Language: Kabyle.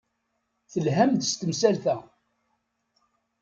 Telham-d s temsalt-a.